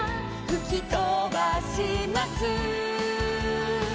「ふきとばします」